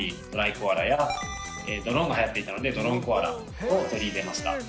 コアラやドローンが流行っていたのでドローンコアラを取り入れました。